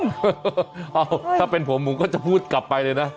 เอ้าถ้าเป็นผมผมก็จะพูดกลับไปเลยนะ